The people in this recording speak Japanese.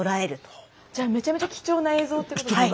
じゃあめちゃめちゃ貴重な映像ってことですか。